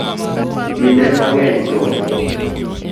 Kinde mang'eny thoth